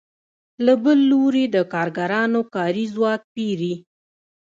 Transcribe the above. له بل لوري د کارګرانو کاري ځواک پېري